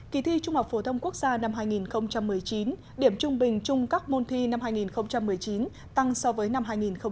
kỳ thi trung học phổ thông quốc gia năm hai nghìn một mươi chín điểm trung bình chung các môn thi năm hai nghìn một mươi chín tăng so với năm hai nghìn một mươi tám